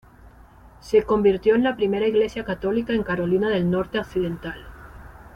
Se convirtió en la primera iglesia católica en Carolina del Norte occidental.